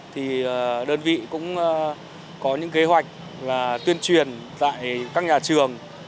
thì đơn vị cũng có những kế hoạch là tuyên truyền tại các nhà trường